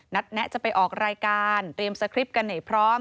แนะจะไปออกรายการเตรียมสคริปต์กันให้พร้อม